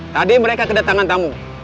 tadi mereka kedatangan tamu